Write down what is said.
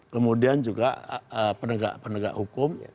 kemudian juga penegak penegak hukum